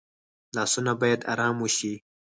لاسونه باید آرام وشي